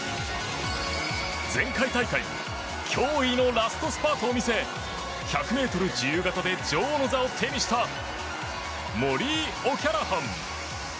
前回大会驚異のラストスパートを見せ１００ｍ自由形で女王の座を手にしたモリー・オキャラハン。